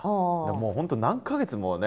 もう本当何か月もね